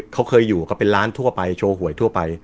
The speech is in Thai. เขาเคยอยู่เขาเป็นร้านทั่วไปโชว์หวยทั่วไป